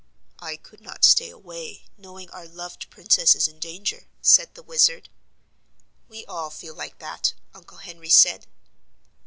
"I could not stay away, knowing our loved Princess is in danger," said the Wizard. "We all feel like that," Uncle Henry said.